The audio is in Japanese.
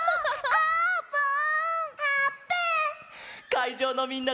あーぷん！